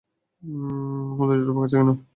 হুদাই জট পাকাচ্ছি কেন?